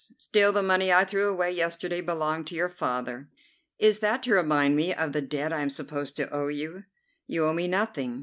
Still, the money I threw away yesterday belonged to your father." "Is that to remind me of the debt I am supposed to owe you?" "You owe me nothing.